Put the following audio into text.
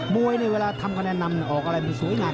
มวยเนี่ยเวลาทำคะแนนนำออกอะไรมันสวยงาม